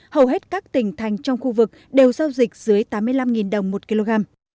hầu hết các tỉnh thành trong khu vực đều giao dịch dưới tám mươi năm đồng một kg